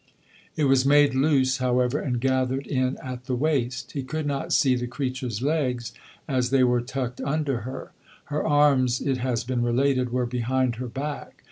It was made loose, however, and gathered in at the waist. He could not see the creature's legs, as they were tucked under her. Her arms, it has been related, were behind her back.